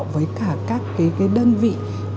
với cả các đơn vị